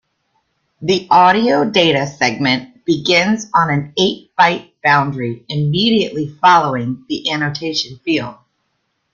The audio data segment begins on an eight-byte boundary immediately following the annotation field.